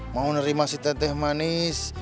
mau nerima si teteh manis